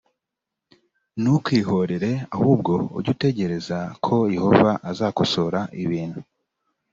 ntukihorere ahubwo ujye utegereza ko yehova azakosora ibintu